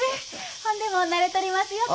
ほんでも慣れとりますよって。